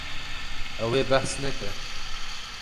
Ew ê behs neke.